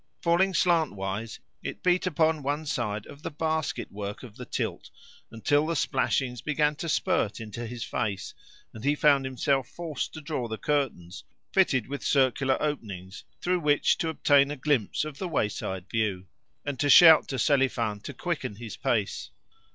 Falling slantwise, it beat upon one side of the basketwork of the tilt until the splashings began to spurt into his face, and he found himself forced to draw the curtains (fitted with circular openings through which to obtain a glimpse of the wayside view), and to shout to Selifan to quicken his pace.